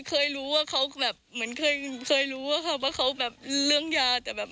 เคยรู้ว่าเขาแบบเหมือนเคยเคยรู้อะค่ะว่าเขาแบบเรื่องยาแต่แบบ